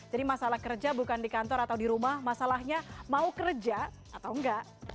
masalah kerja bukan di kantor atau di rumah masalahnya mau kerja atau enggak